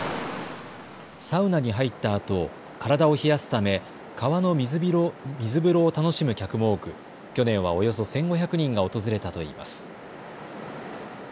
サウナに入ったあと体を冷やすため川の水風呂を楽しむ客も多く去年はおよそ１５００人が訪れたといいます。